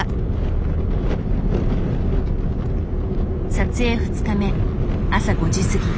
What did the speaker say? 撮影２日目朝５時過ぎ。